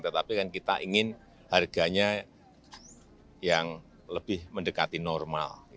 tetapi kan kita ingin harganya yang lebih mendekati normal